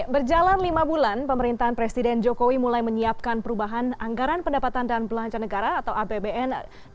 berjalan lima bulan pemerintahan presiden jokowi mulai menyiapkan perubahan anggaran pendapatan dan belanja negara atau apbn dua ribu dua puluh